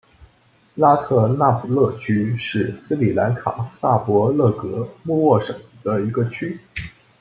拉特纳普勒区是斯里兰卡萨伯勒格穆沃省的一个区。